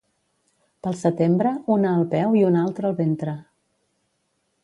Pel setembre una al peu i una altra al ventre